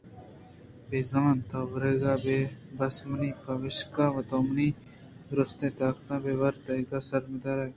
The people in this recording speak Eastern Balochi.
بِہ زاں تو وَرَگ ءَ بس من پشکپتاں؟ تو منی درٛستیں تاکاں بُہ ور ءُ دانگے سَرمِہ یار ءُ منارا اِللّاہ ءِ پاک بِہ کن